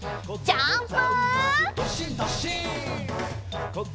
ジャンプ！